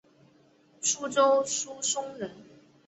舒州宿松人。